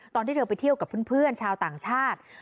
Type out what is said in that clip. ตอนที่เธอไปเที่ยวกับเพื่อนชาวต่างชาติ